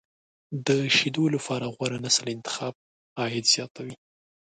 د شیدو لپاره غوره نسل انتخاب، عاید زیاتوي.